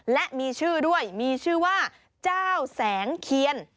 และมีชื่อด้วยมีชื่อว่าเจ้าแสงเคียน